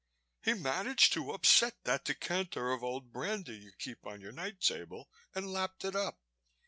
He managed to upset that decanter of old brandy you keep on your night table and lapped it up.